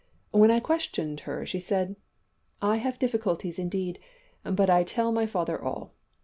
When I questioned her she said `I have difficulties indeed, but I tell my Father all.